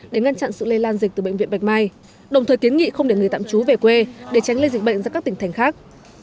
để ngăn chặn sự lây lan dịch từ bệnh viện bạch mai đồng thời kiến nghị không để người tạm trú về quê để tránh lây dịch bệnh ra các tỉnh thành khác